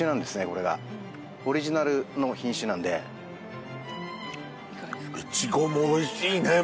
これがオリジナルの品種なんでいかがですか？